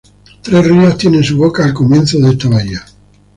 Tres ríos tienen sus bocas al comienzo de esta bahía.